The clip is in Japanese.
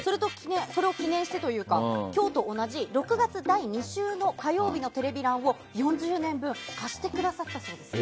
それを記念してというか今日と同じ６月第２週の火曜日のテレビ欄を４０年分貸してくださったそうです。